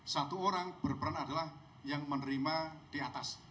satu orang berperan adalah yang menerima diantaranya